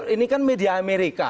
ini kan media amerika